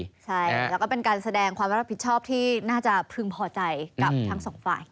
ใช่แล้วก็เป็นการแสดงความรับผิดชอบที่น่าจะพึงพอใจกับทั้งสองฝ่าย